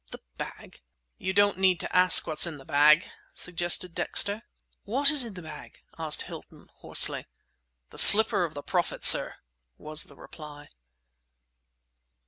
"The bag!" "You don't need to ask what's in the bag?" suggested Dexter. "What is in the bag?" ask Hilton hoarsely. "The slipper of the Prophet, sir!" was the reply.